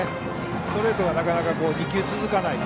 ストレートはなかなか２球続かない。